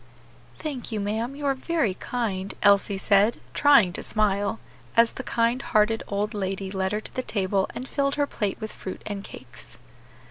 "Thank you, ma'am, you are very kind," Elsie said, trying to smile, as the kind hearted old lady led her to the table and filled her plate with fruit and cakes.